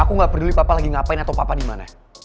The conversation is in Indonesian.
aku gak peduli papa lagi ngapain atau papa dimana